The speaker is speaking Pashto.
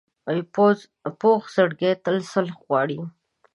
پوخ زړګی تل صلح غواړي